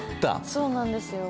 そうなんですよ。